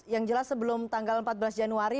yang jelas sebelum tanggal empat belas januari